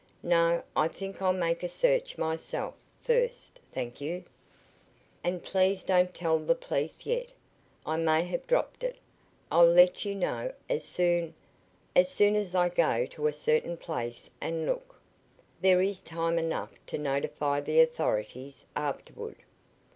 "No; I think I'll make a search myself, first, thank you. And please don't tell the police yet. I may have dropped it. I'll let you know as soon as soon as I go to a certain place and look. There is time enough to notify the authorities afterward.